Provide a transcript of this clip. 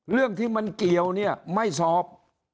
เรื่องที่มันเกี่ยวเนี่ยไม่สอบ